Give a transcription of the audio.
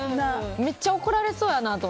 めっちゃ怒られそう。